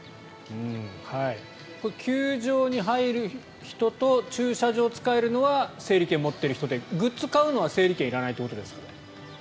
球場に入る人と駐車場を使える人は整理券を持っている人でグッズを買うのは整理券いらないってことですか？